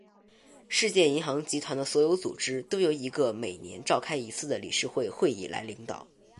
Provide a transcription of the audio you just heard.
世界银行集团的所有组织都由一个每年召开一次的理事会会议来领导。